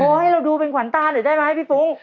ให้เราดูเป็นขวัญตาหน่อยได้ไหมพี่ฟุ้ง